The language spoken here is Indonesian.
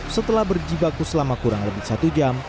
setelah berjibaku selama kurang lebih satu jam